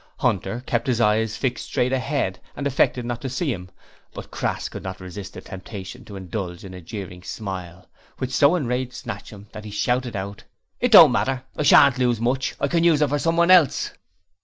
Hunter kept his eyes fixed straight ahead and affected not to see him, but Crass could not resist the temptation to indulge in a jeering smile, which so enraged Snatchum that he shouted out: 'It don't matter! I shan't lose much! I can use it for someone else!'